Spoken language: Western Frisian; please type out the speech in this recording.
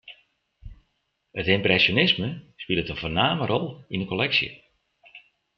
It ympresjonisme spilet in foarname rol yn 'e kolleksje.